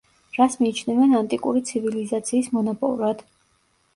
რას მიიჩნევენ ანტიკური ცივილიზაციის მონაპოვრად?